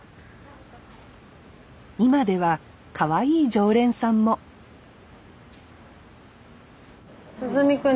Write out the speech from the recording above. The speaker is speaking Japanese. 今ではかわいい常連さんもつぐみくん